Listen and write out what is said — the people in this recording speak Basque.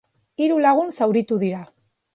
Hiru lagun zauritu dira.